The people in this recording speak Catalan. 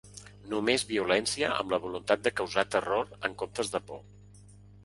Només violència amb la voluntat de causar terror, en comptes de por.